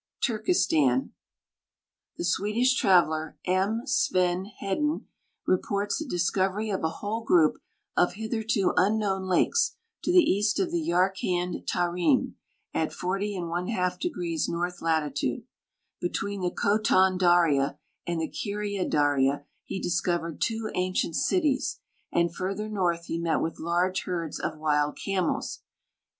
Turkestan. The Swedish traveler, M. Sven Iledin, reports the dis covery of a whole grouj) of hitherto unknown lake.s, to the east of the Yarkand Tarim, at 40i° north latitude. Between the Khotan Daria and the Kiria Daria he discovered two ancient cities, and further north he met with large herds of wild camels.